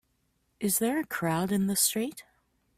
Is there a crowd in the street?